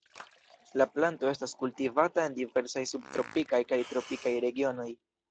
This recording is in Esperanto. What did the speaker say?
La planto estas kultivata en diversaj subtropikaj kaj tropikaj regionoj.